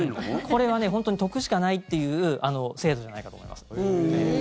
これはね、本当に得しかないっていう制度じゃないかと思います。